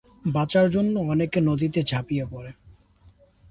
বাঁচার জন্য অনেকে নদীতে ঝাঁপিয়ে পড়ে।